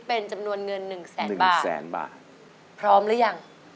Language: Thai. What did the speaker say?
เป็นจำนวนเงิน๑แสนบาทพร้อมหรือยัง